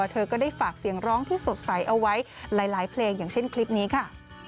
เธอก็ได้ฝากเสียงร้องที่สดใสเอาไว้หลายเพลงอย่างเช่นคลิปนี้ค่ะ